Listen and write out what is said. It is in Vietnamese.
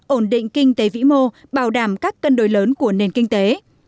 ổn định kinh tế vĩ mô bảo đảm các cân đối lớn của nền kinh tế